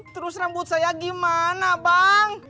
terus rambut saya gimana bang